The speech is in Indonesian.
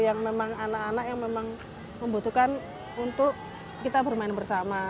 yang memang anak anak yang memang membutuhkan untuk kita bermain bersama